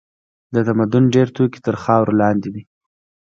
د تمدن ډېر توکي تر خاورو لاندې دي.